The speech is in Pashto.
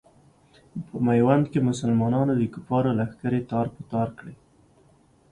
په میوند کې مسلمانانو د کفارو لښکرې تار په تار کړلې.